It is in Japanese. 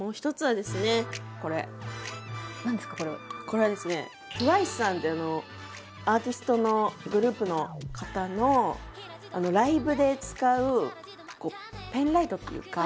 これはですねＴＷＩＣＥさんってアーティストのグループの方のライブで使うペンライトっていうか。